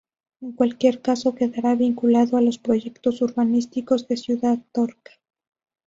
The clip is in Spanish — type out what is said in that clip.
En cualquier caso quedará vinculado a los proyectos urbanísticos de Ciudad Torca.